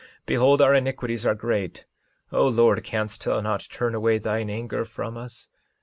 Behold, our iniquities are great. O Lord, canst thou not turn away thine anger from us?